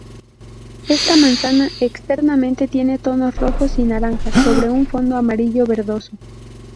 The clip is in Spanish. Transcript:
Esta manzana, externamente, tiene tonos rojos y naranjas sobre un fondo amarillo verdoso.